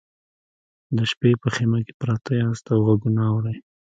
د شپې په خیمه کې پراته یاست او غږونه اورئ